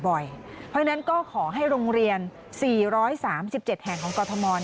เพราะฉะนั้นก็ขอให้โรงเรียน๔๓๗แห่งของกรทม